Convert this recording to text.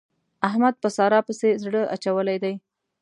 احمد په سارا پسې زړه اچولی دی.